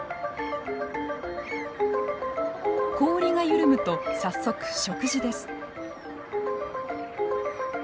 氷が緩むと早速食事です。